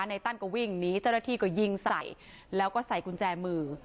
ตั้นก็วิ่งหนีเจ้าหน้าที่ก็ยิงใส่แล้วก็ใส่กุญแจมือ